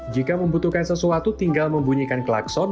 jika membutuhkan sesuatu tinggal membunyikan klakson